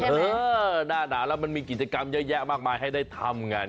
เออหน้าหนาวแล้วมันมีกิจกรรมเยอะแยะมากมายให้ได้ทำไง